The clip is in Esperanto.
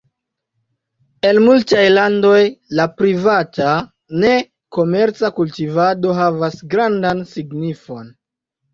En multaj landoj la privata, ne komerca kultivado havas grandan signifon.